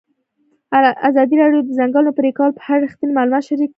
ازادي راډیو د د ځنګلونو پرېکول په اړه رښتیني معلومات شریک کړي.